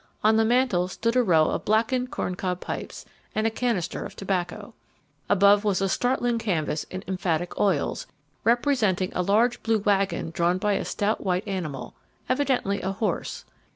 On the mantel stood a row of blackened corn cob pipes and a canister of tobacco. Above was a startling canvas in emphatic oils, representing a large blue wagon drawn by a stout white animal evidently a horse.